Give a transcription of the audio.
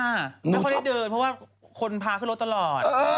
ไม่ค่อยได้เดินเพราะว่าคนพาขึ้นรถตลอด